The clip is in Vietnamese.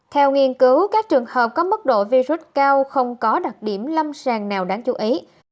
theo nghiên cứu các trường hợp có mức độ virus cao không có đặc điểm lâm sàng nào đáng chú ý